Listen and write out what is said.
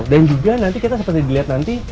juga nanti kita seperti dilihat nanti